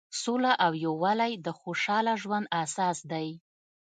سوله او یووالی د خوشحاله ژوند اساس دی.